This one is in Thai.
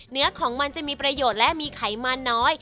ของมันจะมีประโยชน์และมีไขมันน้อย